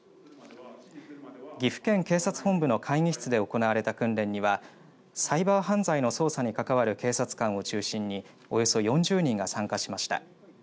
岐阜県警察本部の会議室で行われた訓練にはサイバー犯罪の捜査に関わる警察官を中心におよそ４０人が参加しました。